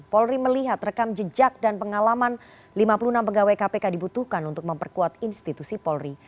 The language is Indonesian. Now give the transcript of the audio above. polri melihat rekam jejak dan pengalaman lima puluh enam pegawai kpk dibutuhkan untuk memperkuat institusi polri